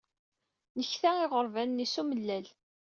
Nekta iɣerban-nni s umellal.